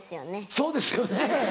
そうですよねええ。